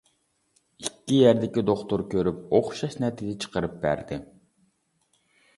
ئىككى يەردىكى دوختۇر كۆرۈپ ئوخشاش نەتىجە چىقىرىپ بەردى.